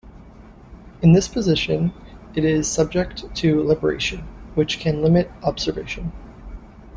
In this position it is subject to libration, which can limit observation.